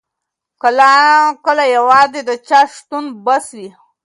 کله کله یوازې د چا شتون بس وي.